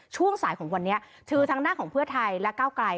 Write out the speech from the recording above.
ช่วงสายของวันนี้คือทางด้านของเพื่อไทยและก้าวไกล